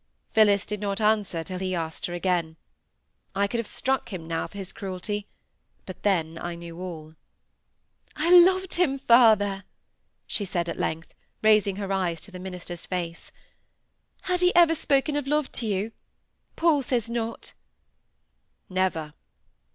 Phillis did not answer till he asked her again. I could have struck him now for his cruelty; but then I knew all. "I loved him, father!" she said at length, raising her eyes to the minister's face. "Had he ever spoken of love to you? Paul says not!" "Never."